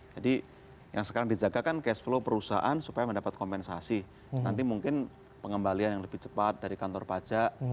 jadi yang sekarang dijaga kan cash flow perusahaan supaya mendapat kompensasi nanti mungkin pengembalian yang lebih cepat dari kantor pajak